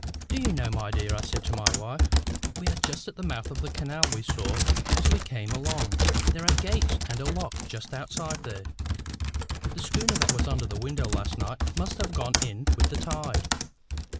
"Do you know, my dear," I said to my wife, "we are just at the mouth of that canal we saw as we came along? There are gates and a lock just outside there. The schooner that was under this window last night must have gone in with the tide.